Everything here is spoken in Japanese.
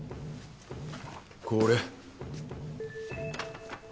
これ。